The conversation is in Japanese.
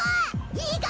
いいか！